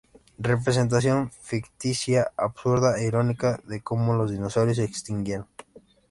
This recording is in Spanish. Representación ficticia, absurda e irónica de como los dinosaurios se extinguieron.